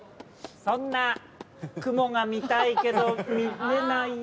そんな雲が見たいけど見れないよ